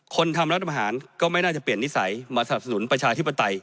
ทำรัฐประหารก็ไม่น่าจะเปลี่ยนนิสัยมาสนับสนุนประชาธิปไตย